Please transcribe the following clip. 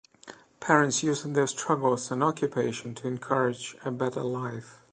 Parent's use their struggles and occupation to encourage a better life.